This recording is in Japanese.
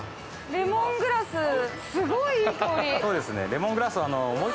レモングラス、すごいいい香り。